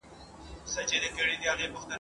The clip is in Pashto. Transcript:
هيڅکله مه ناهيلي کېږئ.